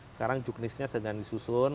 sekarang juknisnya sedang disusun